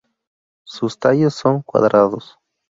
Sus tallos son cuadrados.